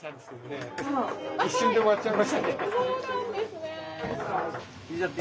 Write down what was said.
一瞬で終わっちゃいましたね。